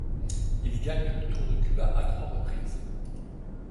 Il gagne le Tour de Cuba à trois reprises.